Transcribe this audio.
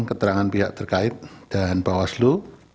keterangan pihak terkait dan bawah selu